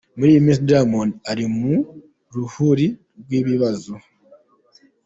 Muri iyi minsi Diamiond ari mu ruhuri rw'ibibazo.